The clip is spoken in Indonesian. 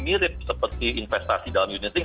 mirip seperti investasi dalam unit ring